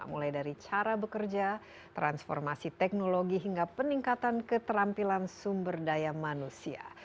mulai dari cara bekerja transformasi teknologi hingga peningkatan keterampilan sumber daya manusia